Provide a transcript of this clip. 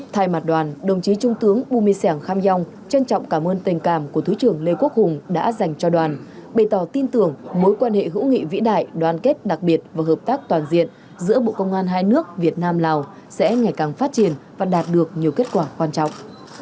thay mặt đoàn đồng chí trung tướng bu mê sẻng kham yong trân trọng cảm ơn tình cảm của thứ trưởng lê quốc hùng đã dành cho đoàn bày tỏ tin tưởng mối quan hệ hữu nghị vĩ đại đoàn kết đặc biệt và hợp tác toàn diện giữa bộ công an hai nước việt nam lào sẽ ngày càng phát triển và đạt được nhiều kết quả quan trọng